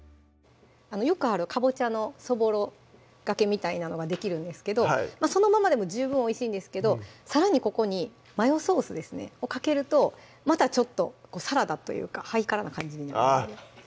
よくあるかぼちゃのそぼろがけみたいなのができるんですけどそのままでも十分おいしいんですけどさらにここにマヨソースですねをかけるとまたちょっとサラダというかハイカラな感じになるんであっ